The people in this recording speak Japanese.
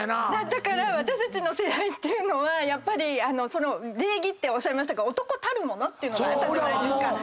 だから私たちの世代っていうのは礼儀っておっしゃいましたけど男たるものっていうのがあったじゃないですか。